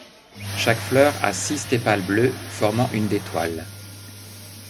Chaque fleur a six tépales bleue, formant une d'étoile.